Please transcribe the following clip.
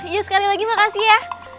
iya sekali lagi makasih ya